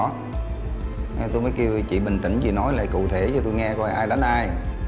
thế tôi mới kêu chị bình tĩnh chị nói lại cụ thể cho tôi nghe coi ai đánh ai